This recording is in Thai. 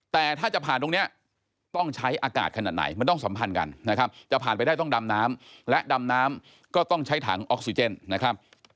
แต่ถ้าจะผ่านตรงนี้ต้องใช้อากาศขนาดไหนมันต้องสัมพันธ์กันนะครับจะผ่านไปได้ต้องดำน้ำและดำน้ำก็ต้องใช้ถังออกซิเจนนะครับ